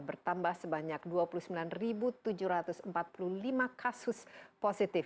bertambah sebanyak dua puluh sembilan tujuh ratus empat puluh lima kasus positif